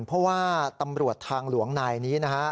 เพราะว่าตำรวจทางหลวงนายนี้นะฮะ